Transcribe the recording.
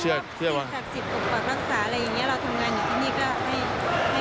เชื่อสักสิทธิ์อุปกรรมรักษาอะไรอย่างนี้